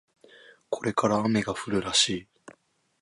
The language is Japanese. これから雨が降るらしい